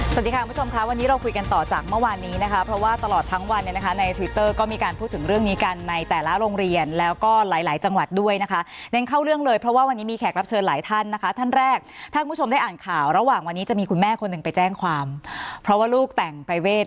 สวัสดีค่ะคุณผู้ชมค่ะวันนี้เราคุยกันต่อจากเมื่อวานนี้นะคะเพราะว่าตลอดทั้งวันเนี่ยนะคะในทวิตเตอร์ก็มีการพูดถึงเรื่องนี้กันในแต่ละโรงเรียนแล้วก็หลายหลายจังหวัดด้วยนะคะเน้นเข้าเรื่องเลยเพราะว่าวันนี้มีแขกรับเชิญหลายท่านนะคะท่านแรกถ้าคุณผู้ชมได้อ่านข่าวระหว่างวันนี้จะมีคุณแม่คนหนึ่งไปแจ้งความเพราะว่าลูกแต่งประเวท